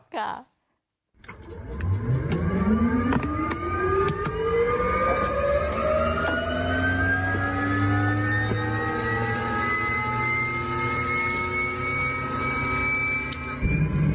ค่ะ